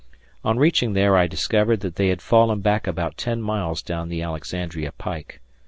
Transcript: On reaching there I discovered that they had fallen back about 10 miles down the Alexandria pike.